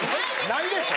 ないでしょ。